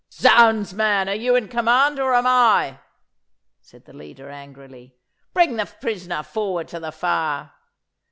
'Zounds, man, are you in command or am I?' said the leader angrily. 'Bring the prisoner forward to the fire!